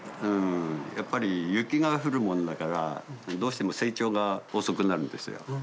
やっぱり雪が降るもんだからどうしても成長が遅くなるんですよ。